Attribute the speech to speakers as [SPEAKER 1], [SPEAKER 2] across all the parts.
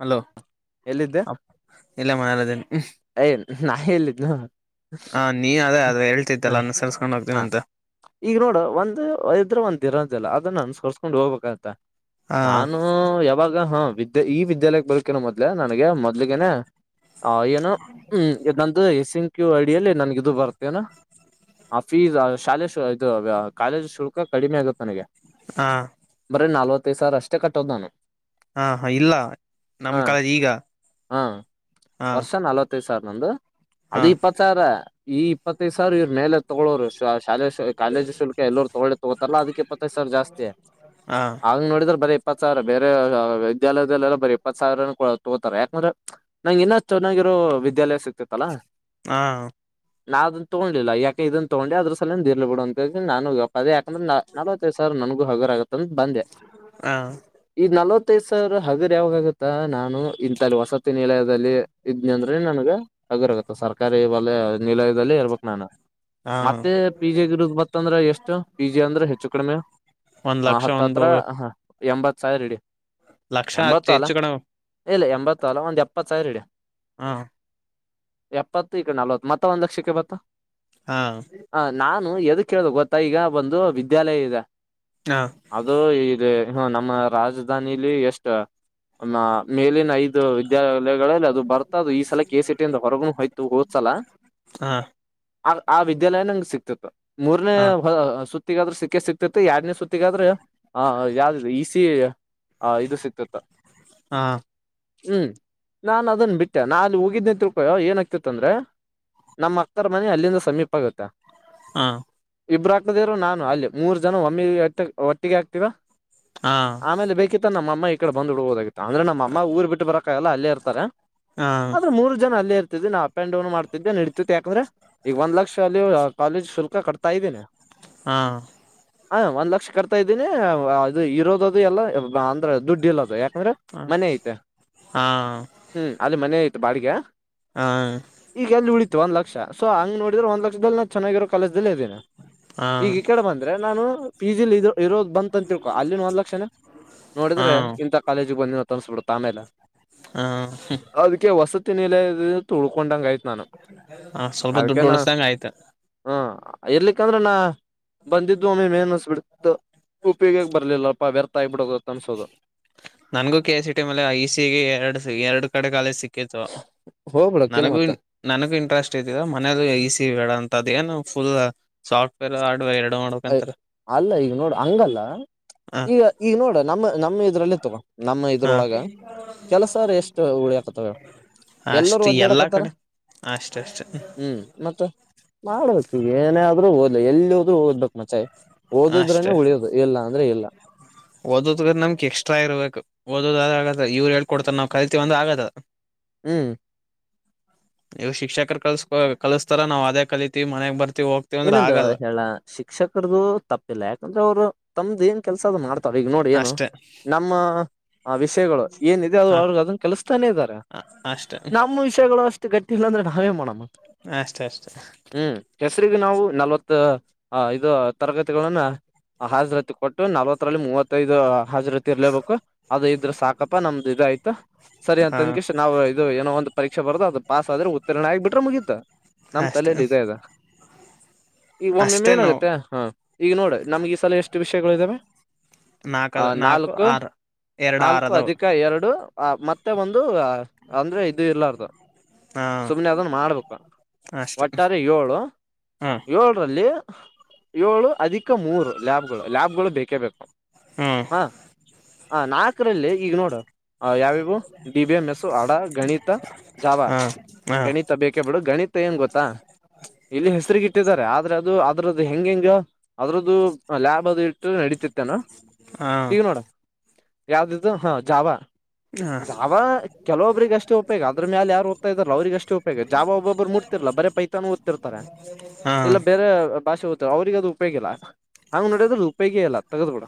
[SPEAKER 1] Hello
[SPEAKER 2] ಎಲ್ಲಿದ್ದೆ
[SPEAKER 1] ಇಲ್ಲ ಮನೆಯಾಗ ಇದೇನ
[SPEAKER 2] ಏ ನಾ ಹೇಳಿದ್ದ್
[SPEAKER 1] ಹಾ ನೀ ಅದೇ ಹೇಳ್ತಿತ್ತಲ್ಲ ಅನ್ನಸ ರ್ಸ್ಕೊಂಡ್
[SPEAKER 2] ಹ
[SPEAKER 1] ಹೋಗ್ತನ ಅಂತ
[SPEAKER 2] ಈಗ ನೋಡ ಒಂದ್ ಇದ್ರ ಒಂದ್ ಇರೋದಿಲ್ಲ ಅದನ್ನ ನನ್ ಅನಸರ್ಸ್ಕೊಂಡ್ ಹೋಗ್ಬೇಕಂತ ನಾನು
[SPEAKER 1] ಹ
[SPEAKER 2] ಹ್ಮ ಯಾವಾಗ ಹಾ ವಿದ್ಯಾ ಈ ವಿದ್ಯಾಲಯಕ್ಕೆ ಬರಕೇನ ಮೊದ್ಲೆ ನನಗೆ ಮೊದ್ಲಗೇನೆ ಹ ಏನೋ ಹ್ಮ್ ಇ ನಂದು ಎಸ್ ಎನ್ ಕ್ಯೂ ಐಡಿಯಲ್ಲಿ ನನ್ಗ ಇದು ಬರ್ತನ ಆ ಫೀಸ್ ಶಾಲೆ ಶ ಇದು ಕಾಲೇಜ್ ಶುಲ್ಕ ಕಡಿಮೆ ಆಗುತ್ತೆ ನನಗೆ. ಬರೀ ನಲ್ವತ್ತೈದು ಸಾವರ ಅಷ್ಟೇ ಕಟ್ಟೋದು ನಾನು.
[SPEAKER 1] ಹಾ ಹಾ ಇಲ್ಲ ನಮ್
[SPEAKER 2] ಹಾ
[SPEAKER 1] ಕಾಲದ ಈಗ ಹಾ.
[SPEAKER 2] ಸರ ನಂದು ಅದ
[SPEAKER 1] ಹಾ
[SPEAKER 2] ಇಪ್ಪತ್ತ ಸಾವರ ಈ ಇಪ್ಪತ್ತೈದು ಸಾವರ ಇವ್ರ ಮೇಲೆ ತೊಗೊಳ್ಳೋರು. ಕಾಲೇಜ್ ಕಾಲೇಜು ಶುಲ್ಕ ಎಲ್ಲರರು ತೊಗೊಳ್ಳಿ ತಗೋತರಲ್ಲ ಅದಕ್ಕೆ ಇಪ್ಪತ್ತೈದು ಸಾವಿರ ಜಾಸ್ತಿ
[SPEAKER 1] ಹಾ
[SPEAKER 2] ಆಗ ನೋಡಿದ್ರೆ ಬರೀ. ಇಪ್ಪತ್ ಸಾವಿರ ಬೇರೆ ವಿದ್ಯಾಲಯದಲ್ಲೆಲ್ಲ ಬರಿ ಇಪ್ಪತ್ ಸಾವಿರ ತೊಗೋತಾರ್ ಯಾಕಂದ್ರ. ನಂಗ ಇನ್ನ ಚೆನ್ನಾಗಿರೋ ವಿದ್ಯಾಲಯ ಸಿಗ್ತತ್ತಲ್ಲಾ.
[SPEAKER 1] ಹಾ.
[SPEAKER 2] ನಾವ ಅದನ್ ತೊಗೊಂಡಿಲ್ಲ ಯಾಕೆ ಇದನ್ನ ತಗೊಂಡಿ ಅದ್ರ ಸಲ ಇರ್ಲಿ ಬಿಡುಡ ಅಂತ ಹೇಳ ನಾನು ಗಪ್. ಅದೇ ಯಾಕಂದ್ರೆ ನ ನಲವತ್ತೈದು ಸಾವಿರ ನನ್ಗೂ ಹಗರ ಆಗತ್ತ ಅಂತ ಬಂದೆ.
[SPEAKER 1] ಹಾ
[SPEAKER 2] ಈ ನಲವತ್ತೈದ್ ಸಾವಿರ ಹಗರ್ ಯಾವಾಗಾಗತ್ತಾ ನಾನು ಇಥಲ್ಲಿ ವಸತಿ ನಿಲಯದಲ್ಲಿ ಇದ್ನ. ಹಗರಗತ್ತೆ ಸರ್ಕಾರಿ ವಲಯ ನಿಲಯದಲ್ಲಿ ಇರ್ಬೇಕ್ ನಾನು.
[SPEAKER 1] ಹಾ
[SPEAKER 2] ಮತ್ತೆ ಪಿ ಜಿಗಿರುದ್ ಮತ್ತ ಅಂದ್ರ ಎಷ್ಟು ಪಿ ಜಿ ಅಂದ್ರೆ ಹೆಚ್ಚು ಕಡಿಮೆ.
[SPEAKER 1] ಒಂದ್
[SPEAKER 2] ಹ
[SPEAKER 1] ಲಕ್ಷ ಒಂದು
[SPEAKER 2] ಹತ್ತತ್ರ ಹ. ಎಂಬತ್ತು ಸಾವಿರ ಹಿಡಿ
[SPEAKER 1] ಲಕ್ಷ
[SPEAKER 2] ಎಂಬತ್ತ
[SPEAKER 1] ಹಚ್ಚು
[SPEAKER 2] ಅಲ
[SPEAKER 1] ಹೆಚ್ಚು ಕಣ
[SPEAKER 2] ಇಲ್ಲ ಎಂಬತ್ತ ಅಲ ಒಂದ್ ಎಪ್ಪತ್ತು ಸಾವಿರ ಇಡಿ.
[SPEAKER 1] ಹಾಂ.
[SPEAKER 2] ಎಪ್ಪತ್ತು ಈಕ ನಲ್ವತ್ ಮತ್ತ ಒಂದ್ ಲಕ್ಷಕ್ಕೆ ಬಂತ್ತು.
[SPEAKER 1] ಹಾ.
[SPEAKER 2] ಹ ನಾನು ಎದು ಹೇಳುದು ಗೊತ್ತಾ ಈಗ ಬಂದು ವಿದ್ಯಾಲಯ ಇದೆ.
[SPEAKER 1] ಹಾ.
[SPEAKER 2] ಅದು ಇಲ್ಲಿ ಹ ನಮ್ಮ ರಾಜಧಾನಿಲಿ ಎಷ್ಟ ಮೇಲಿನ ಐದು. ಇದು ವಿದ್ಯಾಲಯಗಳಲ್ಲಿ ಅದು ಬರ್ತಾದು ಈ ಸಲ ಕೆ ಸಿಟಿ ಯಂದ ಹೊರಗು ಹೋಯ್ತು ಹೋದ್ಸಲ.
[SPEAKER 1] ಹಾ
[SPEAKER 2] ಆ ಆ ವಿದ್ಯಾಲಯ ನಂಗೆ ಸಿಕ್ತಿತ್ತು ಮೂರನೇ
[SPEAKER 1] ಹಾ
[SPEAKER 2] ಸುತ್ತಿಗಾದ್ರೂ ಸಿಕ್ಕೇ ಸಿಕ್ತಿ ಮೂರನೆಯ ಸುದ್ದಿಗಾದ್ರೂ ಸಿಕ್ಕೇ ಸಿಗುತ್ತಾ. ತ್ತಿಗದ್ರು ಆ ಯಾವ್ದ ಈಸಿಏ ಆ ಇದು ಸಿಗ್ತಿತ್ತ.
[SPEAKER 1] ಹಾ.
[SPEAKER 2] ಹ್ಮ್ ನಾನ್ ಅದನ್ ಬಿಟ್ಟೆ ನಾ ಅಲ್ಲಿ ಹೋಗಿದ್ದೀನಿ ತಿಳ್ಕೋ ಏನ ಆಗ್ತಿತ್ತ ಅಂದ್ರ. ನಮ್ಮ್ ಅಕ್ಕರ ಮನಿ ಅಲ್ಲಿಂದ ಸಮೀಪ ಆಗತ್ತಾ.
[SPEAKER 1] ಹಾ.
[SPEAKER 2] ಇಬ್ರು ಅಕ್ದಿರು ನಾನು ಅಲ್ಲಿ ಮೂರ್ ಜನ ಒಮ್ಮೆ ಒಟ್ಟ ಒಟ್ಟಿಗೆ ಆಗ್ತೀವಾ.
[SPEAKER 1] ಹಾ.
[SPEAKER 2] ಆಮೇಲೆ ಬೇಕಿತ್ತ ನಮ್ಮ ಈ ಕಡೆ ಬಂದ ಬಿಡಬಹುದು ಆಗಿತ್ತ ಅಂದ್ರೆ ನಮ್ಮ ಅಮ್ಮ ಊರ್ ಬಿಟ್ಟು ಬರಕ್ಕಾಗಲ್ಲ ಅಲ್ಲ ಇರ್ತಾರೆ.
[SPEAKER 1] ಹಾ ಹಾ
[SPEAKER 2] ಆದರೆ ಮೂರು ಜನ ಅಲ್ಲೇ ಇರ್ತಿದ್ವಿ. ನಾ ಅಪ್ ಅಂಡ್ ಡೌನ್ ಮಾಡ್ತಿದ್ದೆ ನಡತಿತಿ ಯಾಕಂದ್ರೆ ಈಗ ಒಂದ್ ಲಕ್ಷ ಅಲ್ಲಿ ಕಾಲೇಜ್ ಶುಲ್ಕ ಕಟ್ತಾ ಇದೀನೆ.
[SPEAKER 1] ಹಾ.
[SPEAKER 2] ಹ ಒಂದ್ ಲಕ್ಷ ಕಡ್ತ ಇದ್ದೀನಿ ಅದು ಇರೋದದು ಎಲ್ಲ ಅಂದ್ರೆ ದುಡ್ ಇಲ್ಲದು ಯಾಕಂದ್ರೆ.
[SPEAKER 1] ಹ
[SPEAKER 2] ಮನೆ ಐತೆ
[SPEAKER 1] ಹಾ.
[SPEAKER 2] ಹ್ಮ್ ಅಲ್ಲಿ ಮನೆ ಆಯ್ತಿ ಬಾಡಿಗೆ.
[SPEAKER 1] ಹಾ.
[SPEAKER 2] ಈಗ ಎಲ್ಲಿ ಉಳಿತು ಒಂದ ಲಕ್ಷ ಸೊ ಹಂಗ ನೋಡಿದ್ರೆ ಒಂದ ಲಕ್ಷದಲ್ಲಿ ನಾ ಚನ್ನಾಗಿರೋ ಕಾಲಜದಲ್ಲಿ ಇದ್ದೇನೆ. ಈಗ ಈ ಕಡೆ ಬಂದ್ರೆ ನಾನು ಪಿ ಜಿಲಿ ಇರೋದ ಬಂತ. ತಿಳ್ಕೊ ಅಲ್ಲಿನ ಒಂದ ಲಕ್ಷನ
[SPEAKER 1] ಹಾ
[SPEAKER 2] ನೋಡಿದ್ರೆ ಇಂತ ಕಾಲೇಜಿಗೆ ಬಂದಿವ್ ಅಂತ ಅನಡಿಬಿಡ್ತದ ಆಮೇಲೆ.
[SPEAKER 1] ಹಾ ಹ್ಮ್.
[SPEAKER 2] ಅದಕ್ಕೆ ವಸತಿ ನಿಲಯದಿಂದ ಉಳ್ಕೊಂಡಂಗ ಆಯ್ತು ನಾನು.
[SPEAKER 1] ಹ ಸ್ವಲ್ಪ ದುಡ್ಡು ಉಳಸ್ದಂಗ ಆಯ್ತು.
[SPEAKER 2] ಹಾ ಇರ್ಲಿಕ್ಕ ಅಂದ್ರೆ ನಾ ಬಂದಿದು ಒಮ್ಮಿ ಮೇನ್ನ್. ಉಪಯೋಗಕ್ಕೆ ಬರಲಿಲ್ಲಪ್ಪ ವ್ಯರ್ಥ ಆಗಿ ಬಿಡುವುದು ಅನಿಸುವುದು
[SPEAKER 1] ನನಗೂ ಕೆಆರ್ ಟಿಸಿ ಮೇಲೆ ಐ ಸಿಗೆ ಎರಡು ಎರಡು ಕಡೆ ಕಾಲೇಜ್ ಸಿಕ್ಕಿತ್ತು
[SPEAKER 2] ಹೋಗ್ಬಿಡಕ್ಕೆಲ್
[SPEAKER 1] ನನಗೂ
[SPEAKER 2] ಮತ್ತ
[SPEAKER 1] ನನಗೂ ಇಂಟರೆಸ್ಟ ಇದೆಯೋ ಮನೇಲಿ ಈ ಸಿ ಬೇಡ ಅಂತದ ಏನು ಫುಲ್ ಸಾಫ್ಟ್ ಆಡು ಎರಡ್ ಮಾಡೋ
[SPEAKER 2] [unintelligible] ಅಲ್ಲ ಈಗ ನೋಡ ಹಂಗಲ್ಲ
[SPEAKER 1] ಹ
[SPEAKER 2] ಈಗ ಈಗ ನೋಡ ನಮ್ಮ ನಮ್ಮ ಇದ್ರಲ್ಲಿ ತೊಗೋ
[SPEAKER 1] ಹಾ
[SPEAKER 2] ಎಷ್ಟು ಉಳಿಯಾಕತ್ತವ
[SPEAKER 1] [unintelligible]
[SPEAKER 2] ಎಲ್ಲರೂ
[SPEAKER 1] ಅಷ್ಟು ಎಲ್ಲಾ
[SPEAKER 2] ಒದ್ದಾಡಕತ್ತಾರ
[SPEAKER 1] ಕಡೆ ಅಷ್ಟೇ ಅಷ್ಟೇ
[SPEAKER 2] ಮತ್ತೆ ಮಾಡ್ಬೇಕು ಏನೇ ಆದ್ರೂ ಓದ್ಲ ಎಲ್ಲಿ ಎಲ್ಲೇ ಹೋದ್ರು ಓದಬೇಕು ಮಚ್ಚಾ ಓದಿದ್ರನೇ
[SPEAKER 1] ಅಷ್ಟೇ
[SPEAKER 2] ಉಳಿಯದು ಇಲ್ಲ ಅಂದ್ರೆ ಇಲ್ಲ...
[SPEAKER 1] ಓದೋದ ನಮಗೆ ಎಕ್ಸ್ಟ್ರಾ ಇರಬೇಕು. ಓದುವುದು ಆಗದು ಇವರು ಹೇಳಿಕೊಡದೆ ಅಂದ್ರೆ ನಾವು ಕಲಿತೀವಿ ಅಂದ್ರೆ ಆಗದು
[SPEAKER 2] [inaudible]
[SPEAKER 1] ಈ ಶಿಕ್ಷಕರು ಕಲುಸ್ತಾರ ನಾವು ಅದೇ ಕಲ್ತಿವೆ ಮನೆಗೆ ಬರ್ತೀವಿ.
[SPEAKER 2] ಏನದ ಹೇಳಾ ಶಿಕ್ಷಕರದು ತಪ್ಪಿಲ್ಲ ಯಾಕಂದ್ರೆ ಅವ್ರು ತಂದು ಏನ್ ಕೆಲ್ಸ ಅದ್ ಮಾಡ್ತ ನೋಡ ಏನೊ
[SPEAKER 1] ಅಷ್ಟೇ
[SPEAKER 2] ನಮ್ಮ ಆ ವಿಷಯಗಳು ಏನಿದೆ ಅವರಿಗೆ ಅದನ್ನ ಕಳಿಸ್ತಾ ಇದ್ದಾರ
[SPEAKER 1] ಅಷ್ಟೇ
[SPEAKER 2] ನಮ್ಮವಿಷಯಗಳು ಅಷ್ಟು ಗಟ್ಟಿಲ್ಲ ಅಂದ್ರೆ ನಾವೇ ಮಾಡೋಮ್ಮ
[SPEAKER 1] ಅಷ್ಟೇ ಅಷ್ಟೇ
[SPEAKER 2] ಹೆಸರಿಗೆ ನಾವು ನಲವತ್ತ ಹಾ ಇದ ತರಗತಿಗಳನ್ನ ಹಾಜರಾತಿ ಒಟ್ಟು ನಲವತ್ತರಲ್ಲಿ ಮೂವತ್ತ ಇದು ಹಾಜರಾತಿ ಇರಲೇಬೇಕು ಅದ ಇದ್ರ ಸಾಕಪ್ಪ ನಮ್ದು ಇದ ಆಯ್ತು ಸರಿ
[SPEAKER 1] ಹಾ
[SPEAKER 2] ಅಂತಂದ ನಾವು ಇದು ಏನೋ ಒಂದು ಪರೀಕ್ಷೆ ಬರದ ಅದು ಪಾಸ್ ಆದ್ರೆ ಉತ್ತೀರ್ಣ ಆಗಿ ಬಿಟ್ರೆ ಮುಗೀತ ನಮ್ಮ್
[SPEAKER 1] ಅಷ್ಟೆ
[SPEAKER 2] ತಲೇಲಿ ಇದೆ ಅದ ಈಗ ಒಮ್ಮೆಮ್ಮೆ
[SPEAKER 1] ಅಷ್ಟೇ ನಾವು
[SPEAKER 2] ಏನಾಗುತ್ತೆ ಹಾ ಈಗ ನೋಡ ನಮ್ಗೆ ಈ ಸಲ ಎಷ್ಟು ವಿಷಯಗಳು ಇದಾವೆ
[SPEAKER 1] ನಾಲ್ಕ
[SPEAKER 2] ಆ ನಾಲ್ಕು [inaudible]
[SPEAKER 1] ಆರು ಎರಡು ಆರ್
[SPEAKER 2] ನಾಲ್ಕು
[SPEAKER 1] ಅದಾವ
[SPEAKER 2] ಅಧಿಕ ಎರಡು ಆ ಮತ್ತೆ ಒಂದು ಅಂದ್ರೆ ಇದು ಇರ್ಲಾರ್ದು
[SPEAKER 1] ಹಾ
[SPEAKER 2] ಸುಮ್ಮನೆ ಅದನ್ನ ಮಾಡ್ಬೇಕು [inaudible] ಒಟ್ಟಾರೆ ಏಳು
[SPEAKER 1] ಹು
[SPEAKER 2] ಯೊಳರಲ್ಲಿ ಏಳು ಅಧಿಕ ಮೂರು ಲ್ಯಾಬ್ಗಳು ಲ್ಯಾಬ್ಗಳು ಬೇಕೇ ಬೇಕು.
[SPEAKER 1] ಹು
[SPEAKER 2] ಹಾ ಹ ನಾಲ್ಕರಲ್ಲಿ ಈಗ ನೋಡು ಯಾವಯಾವು ಬಿ ಬಿ ಎಮೆಸು ಹಡ ಗಣಿತ ಜಾವ
[SPEAKER 1] ಹಾಂ ಹಾಂ
[SPEAKER 2] ಗಣಿತ ಬೇಕೇ ಬಿಡು ಗಣಿತ ಏನ್ ಗೊತ್ತಾ? ಇಲ್ಲಿ ಹೆಸರಿಗೆ ಇಟ್ಟಿದಿದ್ದಾರೆ ಆದ್ರೆ ಅದು ಅದ್ರದ್ದು ಹೆಂಗ ಹೆಂಗ ಅದ್ರದ್ದು ಲ್ಯಾಬ್ ಅದು ಇಟ್ಟು ನಡೀತಿತ್ತೇನ
[SPEAKER 1] ಹಾಂ
[SPEAKER 2] ಈಗ ನೋಡ [inaudible] ಯಾವ್ದಇದ ಜಾವ
[SPEAKER 1] ಹಾಂ
[SPEAKER 2] ಜಾವ ಕೆಲೊಬ್ರಿಗೆಷ್ಟೇ ಉಪಯೋಗ ಅದ್ರ ಮೇಲೆ ಯಾರ ಓದ್ತಾ ಇದಾರ ಅವ್ರರಿಗೆ ಅಷ್ಟೇ ಉಪಯೋಗ ಜಾವ ಒಬ್ಬೊಬ್ರು ಮುಡ್ತಿರ್ಲ್ಲ ಬರ ಪೈ ಓದತಿರ್ತಾರೆ
[SPEAKER 1] ಹಾಂ
[SPEAKER 2] ಇಲ್ಲ ಬೇರೆ ಭಾಷೆ ಅವ್ರಿಗೆ ಅದು ಉಪಯೋಗ ಇಲ್ಲ ಹಂಗ್ ನೋಡೋದ್ರ ಉಪಯೋಗಿಯ ಇಲ್ಲ ತಗದ ಬಿಡ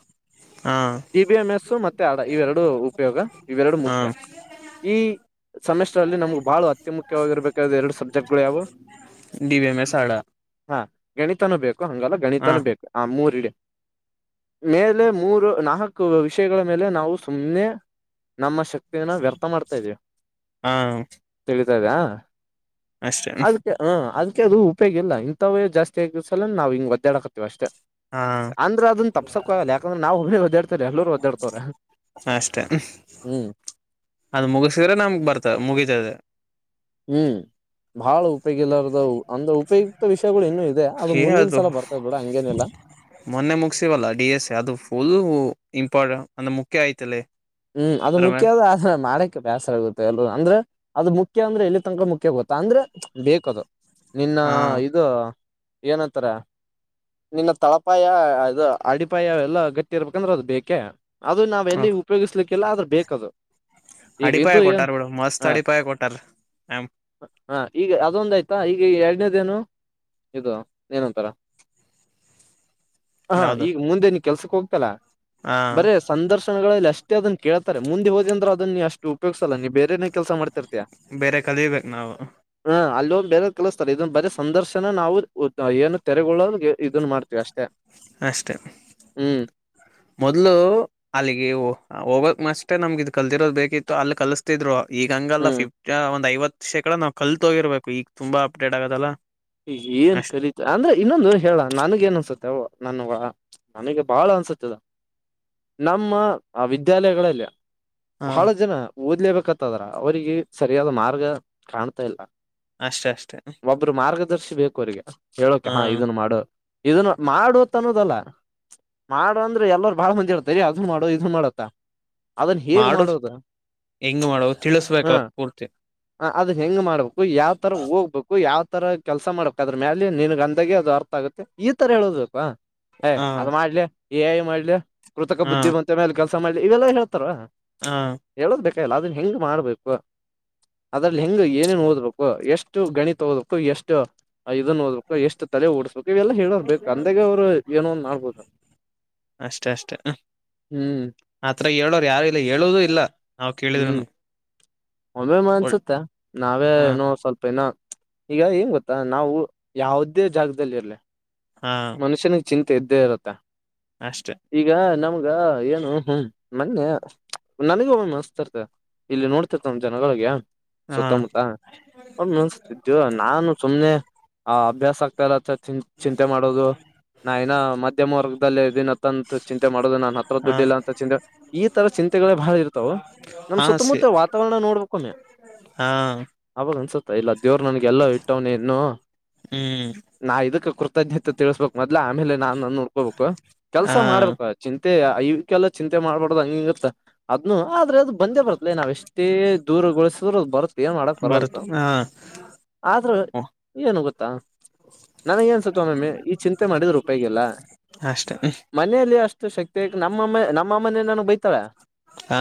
[SPEAKER 1] ಹಾಂ
[SPEAKER 2] ಡಿಬಿಎಂಎಸ್ ಮತ್ತೆ ಹಾಡಾ ಇವೆರಡು ಉಪಯೋಗ ಇವೆರಡು ಮುಖ್ಯ
[SPEAKER 1] ಹಾಂ
[SPEAKER 2] ಈ ಸೆಮೆಸ್ಟ್ರಲ್ಲಿ ಅಲ್ಲಿ ನಮ್ಗೆ ಬಹಳ ಅತಿ ಮುಖ್ಯವಾಗಿರಬೇಕ ಆದ ಎರಡು ಸಬ್ಜೆಕ್ಟ್ ಗಳು ಯಾವು
[SPEAKER 1] ಡಿವಿ ಎಮ ಎಸ್ ಹಾಡಾ
[SPEAKER 2] ಹಾ ಗಣಿತನೂ ಬೇಕು ಹಂಗಲ್ಲ
[SPEAKER 1] ಹ
[SPEAKER 2] ಗಣಿತನು ಬೇಕು ಹ ಮೂರು ಇಡೆ [inaudible] ಮೇಲೆ ಮೂರು ನಾಲ್ಕು ವಿಷಯಗಳ ಮೇಲೆ ನಾವು ಸುಮ್ನೆ ನಮ್ಮ ಶಕ್ತಿಯನ ವ್ಯರ್ಥ ಮಾಡ್ತಾ ಇದೀವಿ
[SPEAKER 1] ಹಾ
[SPEAKER 2] ತಿಳಿತಾ ಇದೆಯಾ
[SPEAKER 1] ಅಷ್ಟೇ
[SPEAKER 2] ಅದಕ್ಕ ಹಾ ಅದಕೆ ಅದು ಉಪಯೋಗ ಇಲ್ಲ ಇಂಥವೇ ಜಾಸ್ತಿಗಸಲ ನಾವು ಹಿಂಗ ಒದ್ದ್ಯಾಡ ಹಾಕ್ತ್ತತಿವಿ ಅಷ್ಟೇ
[SPEAKER 1] ಹಾ
[SPEAKER 2] ಅಂದ್ರ ಅದ ತಪಸಕ್ ಆಗಲ್ಲ ಯಾಕಂದ್ರೆ ನಾನೊಬ್ಬನೇ ಒದ್ದಾಡ್ತಾ ಇಲ್ಲಾ ಎಲ್ರೂ ಒದ್ದಾಡ್ತಾರೆ
[SPEAKER 1] ಅಷ್ಟೇ
[SPEAKER 2] ಹ್ಮ್
[SPEAKER 1] ಅದ ಮುಗಿಸಿದ್ರೆ ನಮ್ಗ್ ಬರ್ತ ಮುಗಿತದೆ
[SPEAKER 2] ಹ್ಮ್ ಬಹಳ ಉಪಯೋಗಿಲ್ಲ ಅಂದ್ರೆ ಉಪಯುಕ್ತ ವಿಷಯಗಳು ಇನ್ನು ಇದೆ ಅದು ಮುಂದಿನ ಸಲ ಬರ್ತಾ ಇದ್ ಬಿಡ ಹಂಗೇನಿಲ್ಲ
[SPEAKER 1] ಮೊನ್ನೆ ಮುಗಸಿವಲ್ಲಾ ಡಿ ಎಸ್ ಎ ಅದು ಫುಲ್ ಇಂಪಾರ್ಟ ಅಂದ್ರೆ ಮುಖ್ಯ ಐ್ತಲ್ಲೇ
[SPEAKER 2] ಹ್ಮ್ ಅದು ಮುಖ್ಯವ ಮಾಡೆ ಬೇಸರ ಆಗುತ್ತೆ ಎಲ್ಲ ಅಂದ್ರೆ ಅದು ಮುಖ್ಯ ಅಂದ್ರೆ ಇಲ್ಲಿರ್ ತನಕ ಮುಖ್ಯ ಗೊತ್ತಾ ಅಂದ್ರೆ ಬೇಕದು ನಿನ್ನ
[SPEAKER 1] ಹಾ
[SPEAKER 2] ಇದು ಏನತ್ತಾರೆ ನಿನ್ನ ತಳಪಾಯ ಅದು ಅಡಿಪಾಯ ಎಲ್ಲ ಗಟ್ಟಿ ಇರ್ಬೇಕಂದ್ರೆ ಅದು ಬೇಕೇ ಅದು ನಾವ್ ಎಲ್ಲಿ ಉಪಯೋಗಿಸ್ಲಿಕ್ಕೆಲ್ಲ ಆದು ಬೇಕದು ಈಗ
[SPEAKER 1] ಅಡಿಪಾಯ
[SPEAKER 2] ಇದು ಏನ್
[SPEAKER 1] ಕೊಟ್ಟಾರ ಬಿಡ ಮಸ್ತ್
[SPEAKER 2] ಹ
[SPEAKER 1] ಅಡಿಪಾಯ ಕೊಟ್ಟಾರ್
[SPEAKER 2] ಹಾ ಈಗ ಅದೊಂದ ಆಯ್ತಾ ಈಗ ಎರಡನೇದೇನು ಇದು ಏನೊಂತರ
[SPEAKER 1] [inaudible]
[SPEAKER 2] ಹಾ
[SPEAKER 1] ಯಾವ್ದು
[SPEAKER 2] ಈಗ ಮುಂದೆ ನಿ ಕೆಲ್ಸಕ್ ಹೋಗ್ತಲ
[SPEAKER 1] ಹಾ
[SPEAKER 2] ಬರೇ ಸಂದರ್ಶನಗಳಲ್ಲಿ ಅಷ್ಟೇ ಅದನ್ ಕೇಳತಾರೆ ಮುಂದೆ ಹೋದ ಅಂದ್ರೆಅದ ಅಷ್ಟ ಉಪೋಗ್ಸಲ್ಲ ನೀವು ಬೇರೆೇ ಕೆಲಸ ಮಾಡತ
[SPEAKER 1] ಬೇರೆ ಕಲಿಬೇಕು ನಾವು
[SPEAKER 2] ಹ ಅಲ್ಲಿಂದ್ ಬೇರೆ ಕಲಿಸ್ತಾರೆ ಇದೊಂದು ಬರೀ ಸಂದರ್ಶನ ನಾವು ಏನು ತೆಗೊಳ್ಳೋದ ಇದನ್ನು ಮಾಡ್ತೀವಿ ಅಷ್ಟೇ
[SPEAKER 1] ಅಷ್ಟೆ
[SPEAKER 2] ಹ್ಮ್
[SPEAKER 1] ಮೊದ್ಲು ಅಲ್ಲಿಗೆ ಹೋಗಕ್ ಅಷ್ಟೆ ನಮ್ಗೆ ಇ ಕಲ್ತಿರೋದು ಬೇಕಿತ್ತು ಅಲ್ಲಿ ಕಲ್ಸ ಗತಿದ್ರು ಈಗ ಹಂಗಲ್ಲ
[SPEAKER 2] ಹ್ಮ್
[SPEAKER 1] ಫಿಫ್ಟ ಒಂದ್ ಐವತ್ತು ಶೇಕಡ ನಾವ್ ಕಲ್ತ್ಗಿರ್ಬೇಕು ಈಗ ತುಂಬಾ ಅಪ್ಡೇಟ್ ಆಗದಲ್ಲಾ
[SPEAKER 2] ಏನ್ ಕಲೀತ ಅಂದ್ರೆ ಇನ್ನೊಂದು ಹೇಳ ನನಗ ಏನ್ ಅನ್ಸುತ್ತೆ ನನ್ನ ನನಗೆ ಬಾಳ ಅನ್ಸುತ್ತೆದ ಅದ ನಮ್ಮ ಆ ವಿದ್ಯಾಲಯಗಳಲ್ಲಿ
[SPEAKER 1] ಹ
[SPEAKER 2] ಬಹಳ ಜನ ಓದ್ಲೇಬೇಕತ್ತದ್ರ ಅವರಿಗೆ ಸರಿಯಾದ ಮಾರ್ಗ ಕಾಣ್ತಾ ಇಲ್ಲಾ
[SPEAKER 1] ಅಷ್ಟೇ ಅಷ್ಟೇ
[SPEAKER 2] ಆದರ್ಶಿ ಬೇಕು ಅವ್ರಿಗೆ
[SPEAKER 1] ಹ
[SPEAKER 2] ಹೇಳೋಕೆ ಹಾ ಇದನ್ ಮಾಡೋ ಇದನ್ನ ಮಾಡು ಅಂತ್ ಅನ್ನೋದಲ್ಲ ಮಾಡೋ ಅಂದ್ರೆ ಎಲ್ಲರು ಬಾಳ್ ಮುಂದ ಇರ್ತಾರಿ ಅದ್ ಮಾಡೋ ಇದನ್ ಮಾಡತ್ತ ಅದನ್ ಹೇಗ್
[SPEAKER 1] ಮಾಡು
[SPEAKER 2] ಮಾಡೋದು
[SPEAKER 1] ಹೆಂಗ್ ಮಾಡೋ ತಿಳಿಸಬೇಕ ಅವ್ರ ಪೂರ್ತಿ
[SPEAKER 2] ಹ ಅದ ಹೆಂಗ್ ಮಾಡ್ಬೇಕು ಯಾವ್ ತರ ಹೋಗ್ಬೇಕು ಯಾವ್ ತರ ಕೆಲ್ಸ ಮಾಡ್ಬೇಕ್ ಅದ್ರ ಮ್ಯಾಲೆ ನಿನ್ಗ್ ಅಂದಾಗೆ ಅದು ಅರ್ಥ ಆಗುತ್ತೆ ಈ ತರ ಹೇಳೋದು ಪ ಹಯ್
[SPEAKER 1] ಹ
[SPEAKER 2] ಅದ್ ಮಾಡ್ಲೆ ಎ ಐ ಮಾಡ್ಲೆ ಕೃತಕ
[SPEAKER 1] ಹ
[SPEAKER 2] ಬುದ್ಧಿ ಬಂತ ಮ ಮೇಲೆ ಕೆಲಸ ಮಾಡಲಿ ಇವೆಲ್ಲ ಹೇಳ್ತಾರ
[SPEAKER 1] ಹಾ
[SPEAKER 2] ಹೇಳೋದ್ ಬೇಕಗಿಲ್ಲ ಅದನ್ ಹೆಂಗ್ ಮಾಡ್ಬೇಕು ಅದ್ರಲ್ಲಿ ಹೆಂಗು ಏನೇನ್ ಓದ್ಬೇಕು ಎಷ್ಟು ಗಣಿತ್ ಓದ್ಬೇಕು ಎಷ್ಟು ಇದನ್ ಓದ್ಬೇಕು ಎಷ್ಟು ತಲೆ ಓಡ್ಸ್ಬೇಕು ಇವೆಲ್ಲ ಹೇಳೋರ್ ಬೇಕು ಅಂದಾಗ ಅವ್ರು ಏನೋ ಒಂದ್ ಮಾಡ್ಬೊದು
[SPEAKER 1] ಅಷ್ಟೇ ಅಷ್ಟೇ
[SPEAKER 2] ಹ್ಮ್
[SPEAKER 1] ಆತ್ರರ ಹೇಳೋರು ಯಾರು ಇಲ್ಲ ಹೇಳಿದರು ಇಲ್ಲ ನಾವು
[SPEAKER 2] ಹ್ಮ್
[SPEAKER 1] ಕೇಳಿದ್ನು
[SPEAKER 2] ಒಮ್ಮೆಮ್ಮ ಅನ್ಸುತ್ತೆ ನಾವೇ
[SPEAKER 1] ಹ
[SPEAKER 2] ಏನು ಸ್ವಲ್ಪ ಇನ್ನೂ ಈಗ ಏಂಗ ಗೊತ್ತಾ ನಾವು ಯಾವದೇ ಜಾಗದಲ್ಲಿ ಇರ್ಲಿ
[SPEAKER 1] ಹಾ
[SPEAKER 2] ಮನುಷ್ಯನಿಗೆ ಚಿಂತೆ ಇದ್ದೇ ಇರುತ್ತೆ.
[SPEAKER 1] ಅಷ್ಟೇ
[SPEAKER 2] ಈಗ ನಮ್ಗ ಏನು ಹ್ಮ ಮೊನ್ನೆ ನನಗ ಒಂದು ಅನಿಸುತೆ. ಇಲ್ಲಿ ನೋಡ್ತಿತ ನಮ ಜನಗಳಿಗೆ
[SPEAKER 1] ಹಾ
[SPEAKER 2] ಸುತ್ತಮುತ್ತ. ಅನ್ಸ್ತಿದ್ದು ನಾನು ಸುಮ್ನೆ ಆ ಅಭ್ಯಾಸ ಆಗ್ತರ ಚಿಂತೆ ಮಾಡ್. ನಾನ್ ಏನು ಮಧ್ಯಮ ವರ್ಗದದಲ್ಲಿ ಇದೀನಿ ಚಿಂತೆ ಮಾಡೋದು ನನ್ ಹತ್ರ
[SPEAKER 1] ಹ
[SPEAKER 2] ದುಡ್ಡಿಲ್ಲ ಅಂತ ಚಿಂತೆ ಈ ತರ ಚಿಂತೆಗಳೇ ಬಾಳ ಇರ್ತಾವ. ನಮ್
[SPEAKER 1] ಹಾ
[SPEAKER 2] ಸುತ್ತಮುತ್ತಲ ವಾತಾವರಣ ನೋಡ್ಬೇಕೊಂಮ್ಮೆ.
[SPEAKER 1] ಹಾಂ
[SPEAKER 2] ಅವಾಗ ಅನ್ಸುತ್ತ ಇಲ್ಲ ದೇವ್ರ ನನ್ಗೆಲ್ಲೋ ಇಟ್ಟವ್ನ ಇನ್ನು
[SPEAKER 1] ಹ್ಮ್
[SPEAKER 2] ನಾ ಇದಕ್ಕೆ ಕೃತಜ್ಞತೆ. ತಿಳಿಸ್ಬೇಕು ಮೊದ್ಲ ಆಮೇಲೆ ನಾನು ನೋಡ್ಕೋಬೇಕು
[SPEAKER 1] ಹಾ
[SPEAKER 2] ಕೆಲ್ಸ ಮಾಡ್ಬೇಕು. ಚಿಂತೆ ಇವಕ್ಕೆಲ್ಲ ಚಿಂತೆ ಮಾಡ್ಬಾರಡ್ದ್ ಹಂಗೆ ಇಂಗೆ ಅಂತ ಅದ್ನು ಆದ್ರೆ ಅದು ಬಂದೇ ಬರತ್ತಲೇ ನಾವ್ ಎಷ್ಟೇ ದೂರಗೊಳಿಸ್ರು ಅದು ಬರತ್ತತ್ ಏನ್ ಮಾಡಕ್ ಬರಲ್ತ.
[SPEAKER 1] ಬರುತ್ ಹಾ
[SPEAKER 2] ಆದ್ರ
[SPEAKER 1] ಓ
[SPEAKER 2] ಏನು ಗೊತ್ತಾ ನನಗೆ ಅನ್ಸುತ್ತ ಒಮೊಮ್ಮೆ. ಈ ಚಿಂತೆ ಮಾಡಿದ್ರೆ ಉಪಯೋಗಿಲ್ಲ
[SPEAKER 1] ಅಷ್ಟೇ
[SPEAKER 2] ಮನೆಯಲ್ಲಿ ಅಷ್ಟು ಅಷ್ಟು ಶಕ್ತಿ ಆ ನಮ್ಮಮ್ಮ ನಮ್ಮ ಅಮ್ಮನ ನನಗೆ ಬೈತಳೆ.
[SPEAKER 1] ಹಾ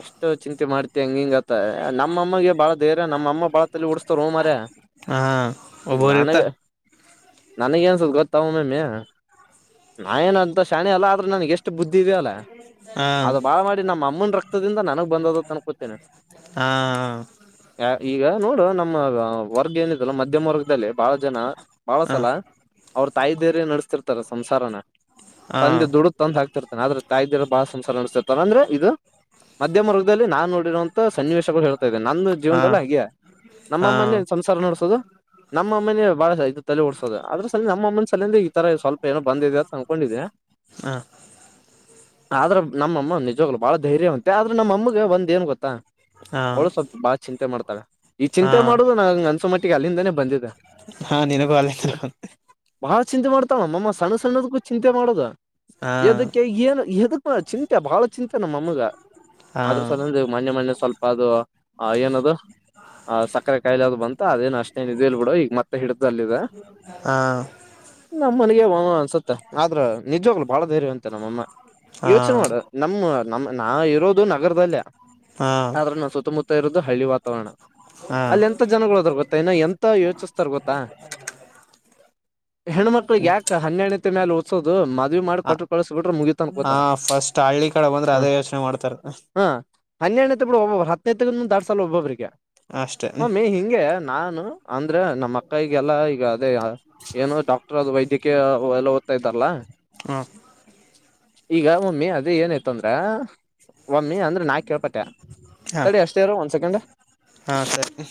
[SPEAKER 2] ಎಷ್ಟ ಚಿಂತೆ ಮಾಡ್ತಿ ಹಂಗ ಹಿಂಗತ್ತ ನಮ್ಮ ಅಮ್ಮಗೆ ಬಾಳ ಧೈರ್ಯ ನಮ್ಮ ಅಮ್ಮ ಬಾಳ ತಲೆ ಹೊಡಿಸ್ತಾಲೋ ಮಾರಾಯ.
[SPEAKER 1] ಹಾ ಒಬೊಬ್ಬರು ಇರ್ತಾರೆ.
[SPEAKER 2] ನನಗೇನ್ಸುತ್ತ ಗೊತ್ತ ಒಮೊಮ್ಮೆ ನಾ ಏನ್ ಅಂತ ಶಾಣೆ ಎಲ್ಲ ಆದ್ರೆ ನನಗೆ ಎಷ್ಟು. ಅಷ್ಟು ಬುದ್ಧಿ ಇದ್ಯಲ್ಲ
[SPEAKER 1] ಹಾ
[SPEAKER 2] ಅದು ಬಾಳ ಮಾಡಿ ನಮ್ಮ ಅಮ್ಮನ ರಕ್ತದಿಂದ ನನಗ್ ಬಂದದತ್ ಅನ್ಕೊತೇನೆ.
[SPEAKER 1] ಹಾ
[SPEAKER 2] ಈಗ ನೋಡು ನಮ್ಮ ವರ್ಗ ಏನಿದಲ್ಲ ಮಧ್ಯಮ ವರ್ಗದಲ್ಲಿ ಬಾಳ ಜನ ಬಾಳ
[SPEAKER 1] ಹ
[SPEAKER 2] ಸಲ. ಅವ್ರ ತಾಯಿ ದೇರ ನಡೆಸ್ತಿರ್ತಾರೆ ಸಂಸಾರನ
[SPEAKER 1] ಹ
[SPEAKER 2] ತಂದೆ ದುಡುದ್. ಹಾಕರ್ತೇನೆ ಆದ್ರೆ ತಾಯಿರ ಬಹಳ ಸಂಸಾರ ನೆಡೆಸ್ತಿರ್ತಾರ ಅಂದ್ರೆ ಇದು ಮಧ್ಯ ವರ್ಗದಲ್ಲಿ ನಾ ನೋಡಿ. ಅಂತ ಸನ್ನಿವೇಶಗಳು ಹೇಳ್ತಾ ಇದೆ ನನ್ನ
[SPEAKER 1] ಹಾ
[SPEAKER 2] ಜೀವನದಲ್ಲಿಲ್ಲ ಹಾಗೆ
[SPEAKER 1] ಹಾ
[SPEAKER 2] ನಮ್ಮಮ್ಮನ. ಸಂಸಾರ ನೋಡಸೋದು ನಮ್ಮ ಅಮ್ಮನೇ ಬಾಳ ಇ ತಲೆ ಓಡಸೋದು ಅದ್ರ ಸಲ ನಮ್ಮ ಅಮ್ಮನ ಸಲಯಂದ ಈ ತರ ಸ್ವಲ್ಪ ಏನೋ ಬಂದಿದೆ ಅಂತ ಅನ್ಕೊಂಡಿದ್ದೆ.
[SPEAKER 1] ಹ
[SPEAKER 2] ಆದ್ರ ನಮ್ಮಮ್ಮ ನಿಜವ್ಲು ಬಾಳ ಧೈರ್ಯ ಅಂತೆ ಆದ್ರೆ ನಮ್ಮಗೆ ಒಂದ್ ಏನ್ ಗೊತ್ತಾ.
[SPEAKER 1] ಹಾ
[SPEAKER 2] ಅವಳು ಸ್ವಲ್ಪ ಬಾಳ ಚಿಂತೆ ಮಾಡ್ತಾಳ ಈ
[SPEAKER 1] ಹಾ
[SPEAKER 2] ಚಿಂತೆ ಮಾಡುದು ನಂಗ ಅನ್ಸ ಮಟ್ಟಿಗೆ ಅಲ್ಲಿಂದಾನೇ ಬಂದಿದೆ.
[SPEAKER 1] ಹಾ ನಿನಗೂ ಅಲ್ಲೇ.
[SPEAKER 2] ಬಹಳ ಚಿಂತೆ ಮಾಡ್ತಾವ ನಮ್ಮ ಅಮ್ಮ ಸಣ್ಣ ಸಣ್ಣದಕ್ಕೂ ಚಿಂತೆ ಮಾಡೋದ ಯದಕ್ಕೆ ಏನುದಕ್ ಹ ಚಿಂತೆ ಬಾಳ ಚಿಂತೆ ನಮ್ಮಮ್ಮಗ
[SPEAKER 1] ಹಾ
[SPEAKER 2] ಅದ್ರ ಸಲಂದ ಮೊನ್ನೆ ಮೊನ್ನೆ ಸ್ವಲ್ಪ ಅದು. ಹಾ ಏನದು. ಆ ಸಕ್ಕರೆ ಕಾಯಿಲಾದ್ ಬಂತ ಅದೇನ್ ಅಷ್ಟೇಏನ್ ಇದೇಳ್ ಬಿಡು ಈ ಮತ್ತೆ ಹಿಡ್ದಲ್ಲ ಇದೆ
[SPEAKER 1] ಹಾ
[SPEAKER 2] ನಮ್ಮನಗೆ ಅನ್ಸುತ್ತ ಆದ್ರ ನಿಜ್ವಾಗ್ಲು ಬಾಳ ಧೈರ್ಯ ಅಂತ ನಮ್ಮಮ್ಮ
[SPEAKER 1] ಹಾ
[SPEAKER 2] ಯೋಚನೆ ಮಾಡು. ನಮ್ಮ ನಮ್ಮ್ ನಾ ಇರೋದು ನಗರದಲ್ಲೇ
[SPEAKER 1] ಹಾ
[SPEAKER 2] ಆದ್ರೆ ನಾ ಸುತ್ತಮುತ್ತ. ಇರೋದು ಹಳ್ಳಿ ವಾತಾವರಣ
[SPEAKER 1] ಹಾ
[SPEAKER 2] ಅಲ್ಲಿ ಎಂತ ಜನಗಳು ಅದ್ರ ಗೊತ್ತಾ ಇನ ಎಂತ ಯೋಚಿಸತಾರೆ ಗೊತ್ತಾ. ಹೆಣ್ಣ್ಮಕ್ಳಗ್ ಯಾಕ ಹಂಗಣ್ಣ. ಮತ್ತೆ ಓದಿಸೋದು ಮದ್ವಿ ಮಾಡಿ ಕಟ್ಟ್ರ ಕಳಸ ಬಿಟ್ರರೇ ಮುಗಿತ್ತು
[SPEAKER 1] ಹಾ
[SPEAKER 2] ಅನ್ಕೋತಾರೆ.
[SPEAKER 1] ಫಸ್ಟ್ ಹಳ್ಳಿ ಕಡೆ ಬಂದ್ರೆ ಅದೇ ಯೋಚನೆ ಮಾಡ್ತಾರೆ
[SPEAKER 2] ಹಾ ಹನ್ನೆರನ ಬಿಡ ಒಬ್ಬೊಬ್ಬರು ಹತ್ತನ ದಾಟಿಸಲ್ಲ ಒಬೊಬ್ಬರುಗೆ
[SPEAKER 1] ಅಷ್ಟೇ
[SPEAKER 2] ಒಮ್ಮೆ ಇಂಗೆ. ನಾನು ಅಂದ್ರೆ ನಮ್ಮ ಅಕ್ಕಗೆಲ್ಲಾ ಈಗ ಅದೇ. ಏನೋ ಡಾಕ್ಟರ್ ಅದು ವೈದ್ಯಕೀ ಎಲ್ಲ ಓದ್ತ ಇದಾರಲ್ಲಾ.
[SPEAKER 1] ಹ್ಮ್-
[SPEAKER 2] ಈಗ ಒಮ್ಮಿ ಅದು ಏನಾಯತ ಅಂದ್ರ ಒಮ್ಮಿ ಅಂದ್ರೆ ನಾ ಕೇಳ್ಪಟ್ಟೆ. ತಡಿ ಅಷ್ಟೇ ಇರು ಒಂದ್ ಸೆಕೆಂಡ್.
[SPEAKER 1] ಹಾಂ ಸರಿ.